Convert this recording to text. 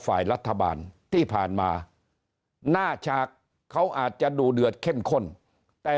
ฝ่ายรัฐบาลที่ผ่านมาหน้าฉากเขาอาจจะดูเดือดเข้มข้นแต่